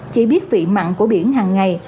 chỉ biết vị mặn của biển hằng ngày